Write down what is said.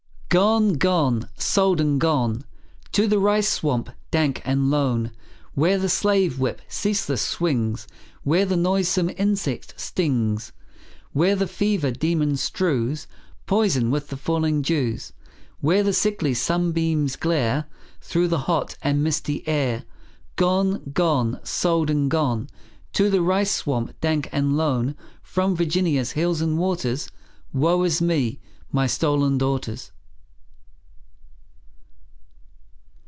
GONE, gone, sold and gone, To the rice swamp dank and lone. Where the slave whip ceaseless swings, Where the noisome insect stings, Where the fever demon strews Poison with the falling dews, Where the sickly sunbeams glare Through the hot and misty air; Gone, gone, sold and gone, To the rice swamp dank and lone, From Virginia's hills and waters; Woe is me, my stolen daughters!